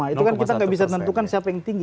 itu kan kita nggak bisa tentukan siapa yang tinggi